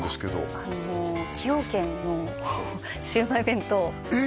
ああ崎陽軒のシウマイ弁当えっ！